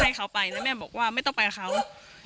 ให้เขาไปแล้วแม่บอกว่าไม่ต้องไปกับเขา